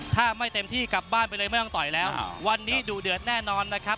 ถ้าไม่เต็มที่กลับบ้านไปเลยไม่ต้องต่อยแล้ววันนี้ดูเดือดแน่นอนนะครับ